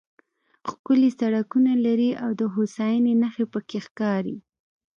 ښکلي سړکونه لري او د هوساینې نښې پکې ښکاري.